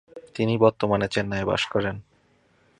তিনি বর্তমানে চেন্নাইতে বাস করেন।